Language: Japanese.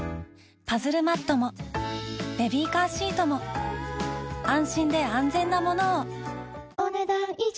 パズルマットもベビーカーシートも安心で安全なものをお、ねだん以上。